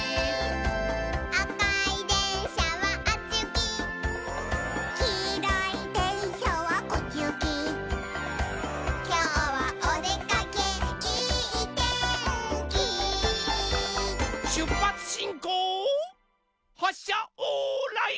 「あかいでんしゃはあっちゆき」「きいろいでんしゃはこっちゆき」「きょうはおでかけいいてんき」しゅっぱつしんこうはっしゃオーライ。